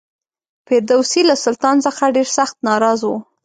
فردوسي له سلطان څخه ډېر سخت ناراض و.